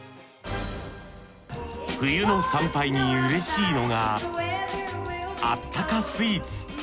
冬の参拝にうれしいのがあったかスイーツ。